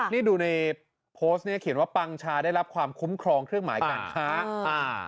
นี่ดูในโพสต์เนี่ยเขียนว่าปังชาได้รับความคุ้มครองเครื่องหมายการค้าอ่า